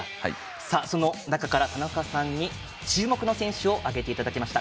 その中から田中さんに注目選手を挙げていただきました。